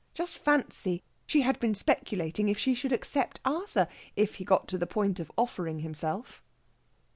Just fancy! she had been speculating if she should accept Arthur, if he got to the point of offering himself.